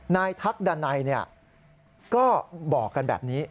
ทักดันัยก็บอกกันแบบนี้